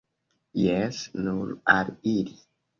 Jes, nur al ili!